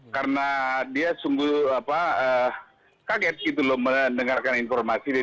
karena dia sungguh kaget gitu loh mendengarkan informasi ini